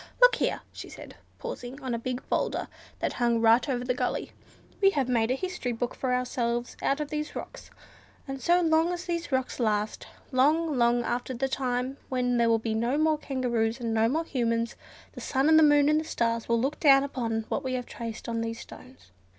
Look here!" she said, pausing on a big boulder that hung right over the gully, "we have made a history book for ourselves out of these rocks; and so long as these rocks last, long long after the time when there will be no more kangaroos, and no more humans, the sun, and the moon, and the stars will look down upon what we have traced on these stones."